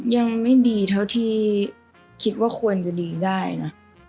ยังไม่ดีเท่าที่คิดว่าควรจะดีได้นะ